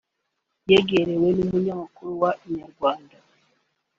yegerewe n'umunyamakuru wa Inyarwanda